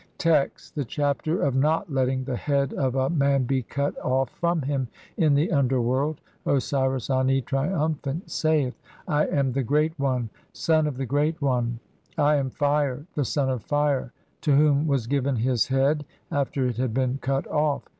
Text : (1) The Chapter of not letting the head of a MAN BE CUT OFF FROM HIM IN THE UNDERWORLD. Osiris Ani, triumphant, saith :— (2) "I am the Great One, son of the Great One ; [I am] Fire, the "son of Fire, to whom was given (3) his head after it had been "cut off.